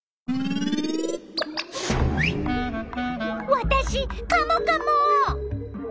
わたしカモカモ！